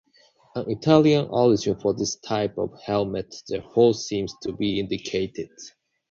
An Italian origin for this type of helmet therefore seems to be indicated.